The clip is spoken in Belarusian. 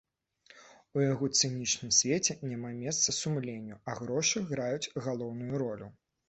У яго цынічным свеце няма месца сумленню, а грошы граюць галоўную ролю.